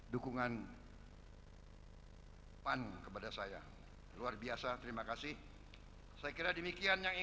dan saya terima kasih dukungan